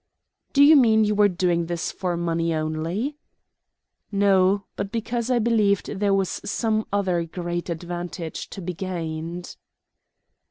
"Do you mean you were doing this for money only?" "No, but because I believed there was some other great advantage to be gained."